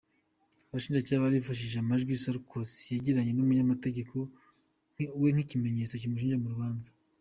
Abashinjacyaha bari bifashishije amajwi Sarkozy yagiranye n’umunyamategeko we nk’ikimeneytso kimushinja mu rubanza.